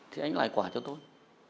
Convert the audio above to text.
thì anh lại quả cho tôi